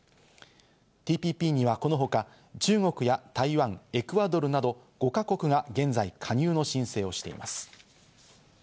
ＴＰＰにはこのほか中国や台湾、エクアドルなど５か国が現在、加入の申請をしています。